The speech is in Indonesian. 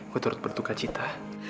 gue turut bertukar cita